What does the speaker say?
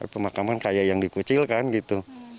pemakaman kayak yang dikucilkan gitu